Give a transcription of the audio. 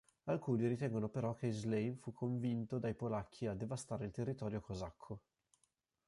Alcuni ritengono però che Islyam fu "convinto" dai polacchi a devastare il territorio cosacco.